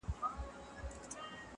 هغه مینه مړه سوه چي مي هیله نڅېده ورته!